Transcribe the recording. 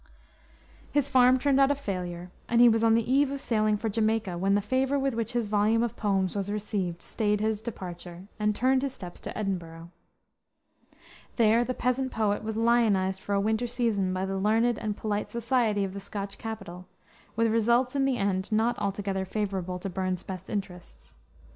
His farm turned out a failure, and he was on the eve of sailing for Jamaica, when the favor with which his volume of poems was received, stayed his departure, and turned his steps to Edinburgh. There the peasant poet was lionized for a winter season by the learned and polite society of the Scotch capital, with results in the end not altogether favorable to Burns's best interests.